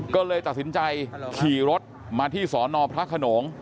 ก็เลยตัดสินใจขี่รถมาที่สอนอพระขนง